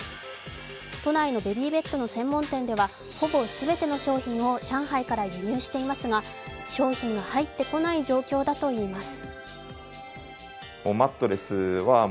都内のベビーベッドの専門店ではほぼ全ての商品を上海から輸入していますが、商品が入ってこない状況だといいます。